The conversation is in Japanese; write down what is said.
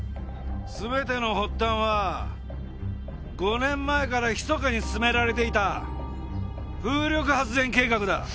全ての発端は５年前からひそかに進められていた風力発電計画だ。